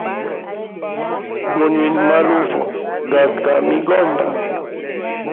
Gunywine maluvu gaga ga migomba.